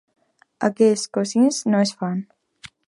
Aquells cosins no es fan.